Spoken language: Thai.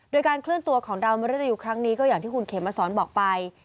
โดยการเคลื่อนตัวของดาวมริตยูครั้งนี้ก็อย่างที่คุณเขมมาสอนบอกไป